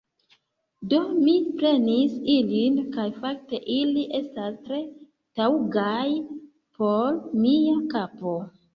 Do, mi prenis ilin kaj fakte ili estas tre taŭgaj por mia kapo